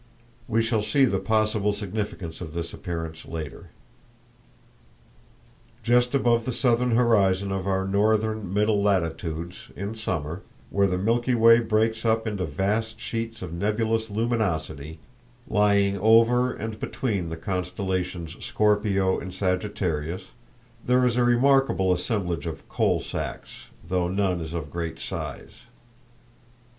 We shall see the possible significance of this appearance later. [Illustration: The Milky Way. Region near M.S. Photographed by Professor Barnard] Just above the southern horizon of our northern middle latitudes, in summer, where the Milky Way breaks up into vast sheets of nebulous luminosity, lying over and between the constellations Scorpio and Sagittarius, there is a remarkable assemblage of "coal sacks," though none is of great size.